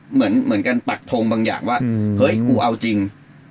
เหมือนเหมือนกันปักทงบางอย่างว่าเฮ้ยกูเอาจริง